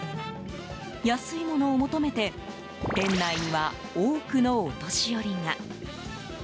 安いものを求めて店内には多くのお年寄りが。